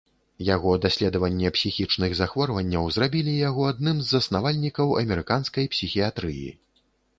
Яго даследаванне псіхічных захворванняў зрабілі яго адным з заснавальнікаў амерыканскай псіхіятрыі.